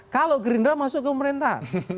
kalau gerindra masuk ke pemerintahan